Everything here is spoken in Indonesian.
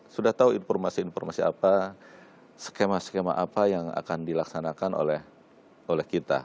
sudah tahu informasi informasi apa skema skema apa yang akan dilaksanakan oleh kita